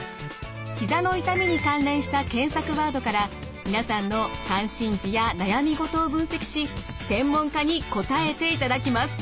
ひざの痛みに関連した検索ワードから皆さんの関心事や悩み事を分析し専門家に答えていただきます。